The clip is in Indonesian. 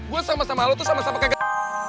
gue sama sama lo terus sama sama kaget